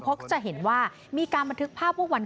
พี่บ๊ายพี่บ๊ายพี่บ๊ายพี่บ๊ายพี่บ๊าย